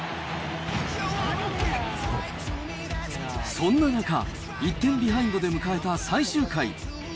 そんな中、１点ビハインドで迎えた最終回。